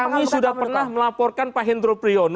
kami sudah pernah melaporkan pak hendro priyono